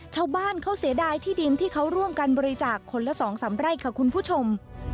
ชาวบ้านเขาเสียดายที่ดินที่เขาร่วมกันบริจาคคนละ๒๓ไร่ค่ะคุณผู้ชม